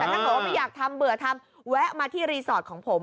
แต่ถ้าเกิดว่าไม่อยากทำเบื่อทำแวะมาที่รีสอร์ทของผม